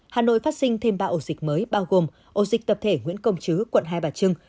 hà nội phát sinh thêm ba ổ dịch mới bao gồm ổ dịch tập thể nguyễn công chứ quận hai bà trưng